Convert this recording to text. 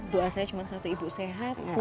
doa saya cuma satu ibu sehat